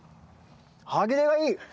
歯切れがいい！